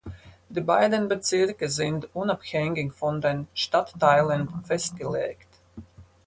Die beiden Bezirke sind unabhängig von den Stadtteilen festgelegt.